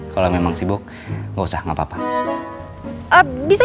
kalo memang sibuk gak usah gak apa apa